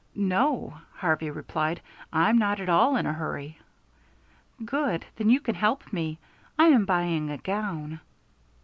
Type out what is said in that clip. "No," Harvey replied, "I'm not at all in a hurry." "Good, then you can help me. I am buying a gown."